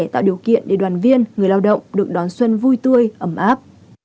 tạo điều kiện để đoàn viên người lao động được đón xuân vui tươi ấm áp